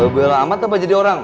gue ilang amat apa jadi orang